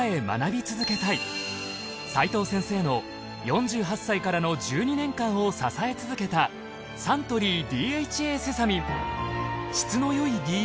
齋藤先生の４８歳からの１２年間を支え続けたサントリーＤＨＡセサミン。